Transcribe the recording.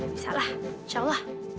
bisa lah insya allah